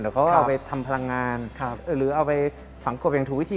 แล้วก็เอาไปทำพลังงานหรือเอาไปฝังกบอย่างถูกวิธี